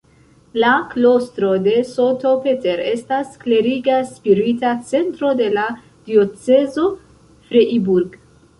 La klostro de St. Peter estas kleriga Spirita Centro de la diocezo Freiburg.